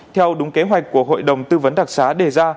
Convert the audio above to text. theo đúng kế hoạch của hội đồng tư vấn đặc xá đề ra